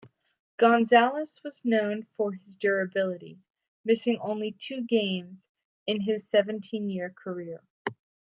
Gonzalez was known for his durability, missing only two games in his seventeen-year career.